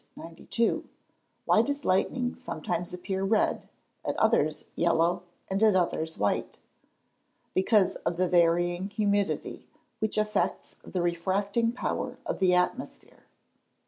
Why does lightning sometimes appear red, at others yellow, and at others white? Because of the varying humidity, which affects the refracting power of the atmosphere.